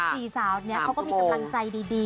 สี่สาวนี้เขาก็มีกำลังใจดี